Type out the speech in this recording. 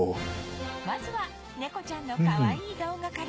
まずは猫ちゃんのかわいい動画から